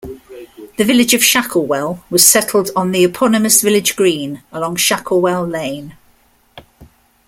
The village of Shacklewell was settled on the eponymous village green, along Shacklewell Lane.